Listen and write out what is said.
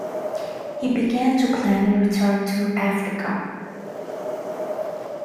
He began to plan a return to Africa.